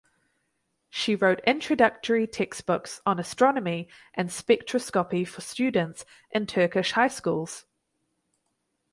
She wrote introductory textbooks on astronomy and spectroscopy for students in Turkish high schools.